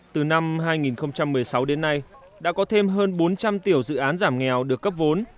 từ năm hai nghìn một mươi sáu đến nay đã có thêm hơn bốn trăm linh tiểu dự án giảm nghèo được cấp vốn